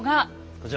こちら。